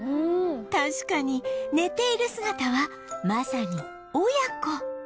確かに寝ている姿はまさに親子